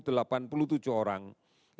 kepala pemerintah kepala pemerintah kepala pemerintah